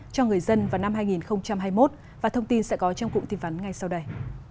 cho người dân vào năm hai nghìn hai mươi một và thông tin sẽ có trong cụm tin vắn ngay sau đây